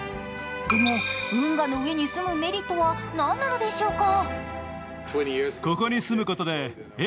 でも、運河の上に住むメリットは何なのでしょうか。